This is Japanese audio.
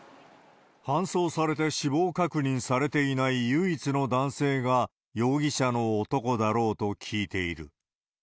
搬送されて死亡確認されていない唯一の男性が容疑者の男だろうと聞いている。